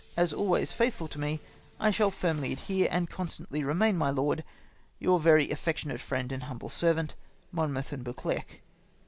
as always faithful to me, I shall firmly adhere, and constantly remain, my lord, " Your very affectionate friend and humble servant, " Monmouth and Buccleuch.